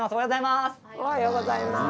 おはようございます。